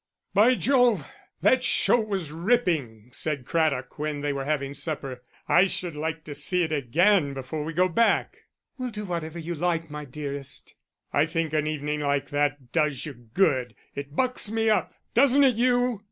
"By Jove, that show was ripping," said Craddock, when they were having supper; "I should like to see it again before we go back." "We'll do whatever you like, my dearest." "I think an evening like that does you good. It bucks me up; doesn't it you?"